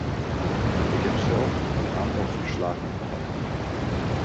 Ik heb zelf een aantal verslagen gehad.